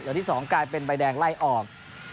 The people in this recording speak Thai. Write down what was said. อวันนี้สองกลายเป็นใบแดงไร้ออก